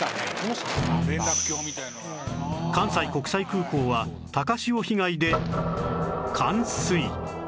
関西国際空港は高潮被害で